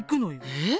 えっ？